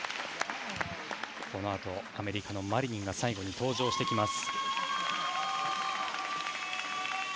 このあとアメリカのマリニンが最後に登場してきます。